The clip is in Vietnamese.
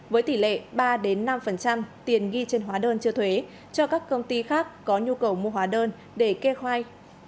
với tỷ lệ ba năm tiền ghi trên hóa đơn chưa thuế cho các công ty khác có nhu cầu mua hóa đơn để kê khoai